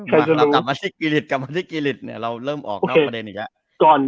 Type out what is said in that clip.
เห้ยกลับจากอาชีพกีฤตน์เริ่มเริ่มออกประเด็นอีกแล้ว